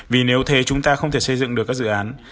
vì nếu thế chúng ta không thể xây dựng được các dự án